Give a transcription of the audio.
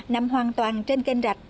nằm hoàn toàn trên kênh rạch